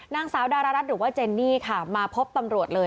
นางสาวดารรัฐหรือว่าเจนนี่ค่ะมาพบตำรวจเลย